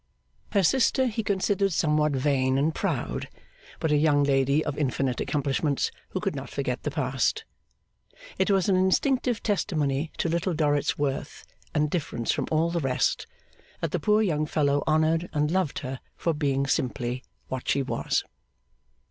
Her sister he considered somewhat vain and proud, but a young lady of infinite accomplishments, who could not forget the past. It was an instinctive testimony to Little Dorrit's worth and difference from all the rest, that the poor young fellow honoured and loved her for being simply what she was.